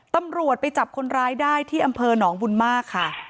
ตำรวจไปจับคนร้ายได้ที่อำเภอหนองบุญมากค่ะ